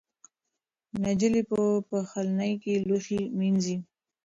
نجلۍ په پخلنځي کې لوښي مینځي.